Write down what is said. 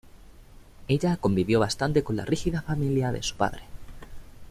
Ella convivió bastante con la rígida familia de su padre.